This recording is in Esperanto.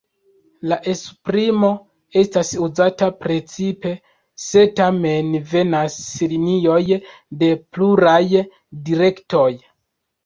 La esprimo estas uzata precipe, se tamen venas linioj de pluraj direktoj.